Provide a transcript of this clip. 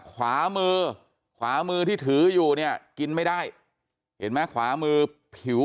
ขวามือขวามือที่ถืออยู่เนี่ยกินไม่ได้เห็นไหมขวามือผิว